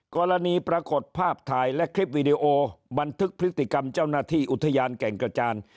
ปรากฏภาพถ่ายและคลิปวีดีโอบันทึกพฤติกรรมเจ้าหน้าที่อุทยานแก่งกระจาน